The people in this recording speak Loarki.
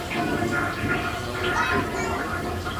اوني ھمي ھون اسڪول سوڙو ھون